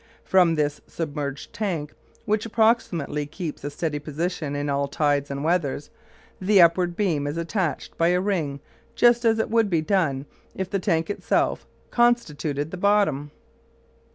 From this submerged tank, which approximately keeps a steady position in all tides and weathers, the upward beam is attached by a ring just as would be done if the tank itself constituted the bottom.